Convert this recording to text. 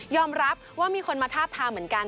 รับว่ามีคนมาทาบทามเหมือนกัน